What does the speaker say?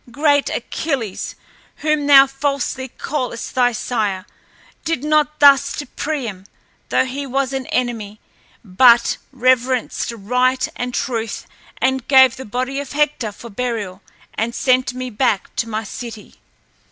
Great Achilles, whom thou falsely callest thy sire, did not thus to Priam, though he was an enemy, but reverenced right and truth and gave the body of Hector for burial and sent me back to my city."